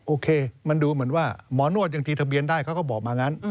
โอเคมันดูเหมือนว่าหมอนวดยังตีทะเบียนได้เขาก็บอกมางั้น